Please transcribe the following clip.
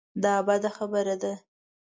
دا بده خبره ده.